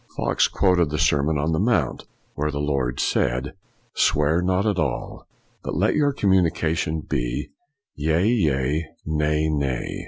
Fox quoted the Sermon on the Mount, where the Lord said, " Swear not at all, but let your communication be yea, yea, nay, nay.'